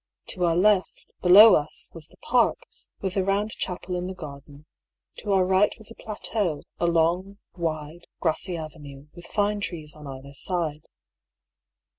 To our left, below us, was the park, with the round chapel in the garden ; to our right was a plateau, a long, wide, grassy avenue, with fine trees on either side.